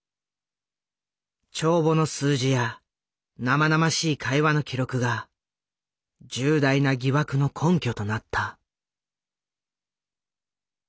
帳簿の数字や生々しい会話の記録が重大な疑惑の根拠となった。